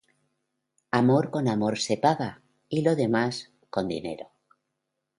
Amor con amor se paga; y lo demas con dinero.